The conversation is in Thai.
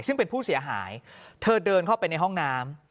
ซึ่งเป็นผู้เสียหายเธอเดินเข้าไปในห้องน้ำ